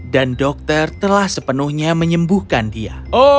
dan dokter telah sepenuhnya menyembuhkan dia